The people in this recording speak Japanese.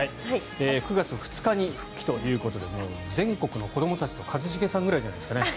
９月２日に復帰ということで全国の子どもたちと一茂さんぐらいじゃないですか。